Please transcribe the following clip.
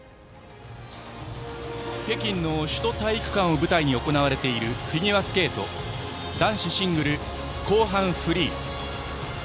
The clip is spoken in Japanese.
北京の首都体育館を舞台に行われているフィギュアスケート男子シングル後半フリー。